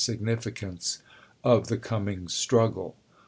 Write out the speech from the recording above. significance of the coming struggle.